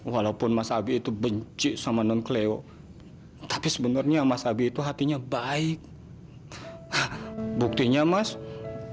walaupun mas abi itu benci sama non keleo tapi sebenarnya mas abi itu hatinya baik buktinya mas